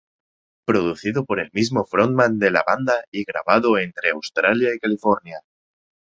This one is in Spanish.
Producido por el mismo frontman de la banda y grabado entre Australia y California.